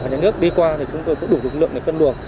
và nhà nước đi qua thì chúng tôi cũng đủ lực lượng để phân luận